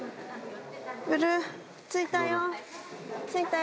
ブルー、着いたよ。